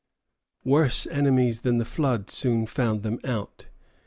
_] Worse enemies than the floods soon found them out.